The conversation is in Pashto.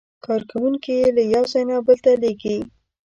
کارکوونکي یې له یو ځای نه بل ته لېږي.